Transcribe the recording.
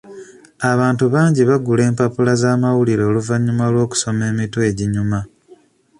Abantu bangi bagula empapula z'amawulire oluvannyuma lw'okusoma emitwe eginyuma.